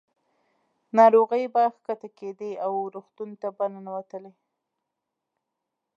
ناروغۍ به ښکته کېدې او روغتون ته به ننوتلې.